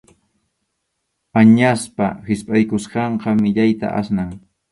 Añaspa hispʼaykusqanqa millayta asnan.